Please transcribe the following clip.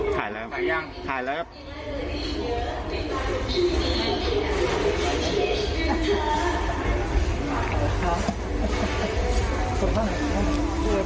ถ่ายแล้วครับถ่ายแล้วครับถ่ายแล้วครับถ่ายแล้วครับถ่ายแล้วถ่ายแล้วถ่ายแล้ว